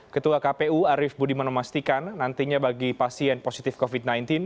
ketua kpu arief budiman memastikan nantinya bagi pasien positif covid sembilan belas